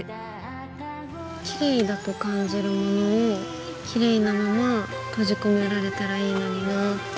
きれいだと感じるものをきれいなまま閉じ込められたらいいのになぁって。